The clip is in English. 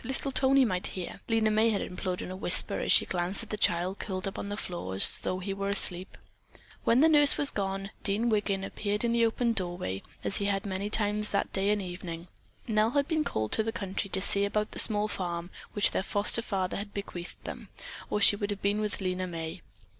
Little Tony might hear," Lena May had implored in a whisper as she glanced at the child curled up on the floor as though he were asleep. When the nurse was gone, Dean Wiggin appeared in the open doorway, as he had many times that day and evening. Nell had been called to the country to see about the small farm which their foster father had bequeathed them, or she would have been with Lena May.